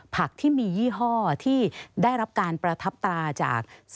ผักที่มียี่ห้อที่ได้รับการประทับตราจาก